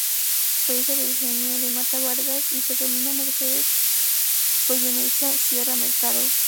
Fue hijo de Eugenio de Matta Vargas y Petronila Mercedes Goyenechea Sierra-Mercado.